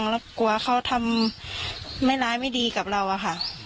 แล้วกลัวเขาทำไม่ร้ายไม่ดีกับเราอะค่ะ